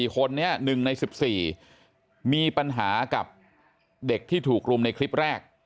๔คนนี้๑ใน๑๔มีปัญหากับเด็กที่ถูกรุมในคลิปแรก